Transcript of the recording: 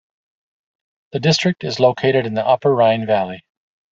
The district is located in the upper Rhine valley.